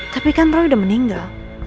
tapi kan roy udah meninggal